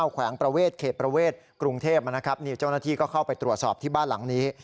แขวงประเวทเขตประเวทกรุงเทพนะครับนี่เจ้าหน้าที่ก็เข้าไปตรวจสอบที่บ้านหลังนี้